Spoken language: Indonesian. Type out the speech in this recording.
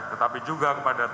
tetapi juga kepada polisi